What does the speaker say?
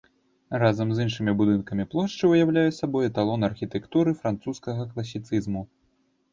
Разам з іншымі будынкамі плошчы ўяўляе сабой эталон архітэктуры французскага класіцызму.